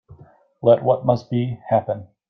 Let what must be, happen.